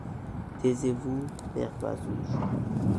Taisez-vous, père Bazouge !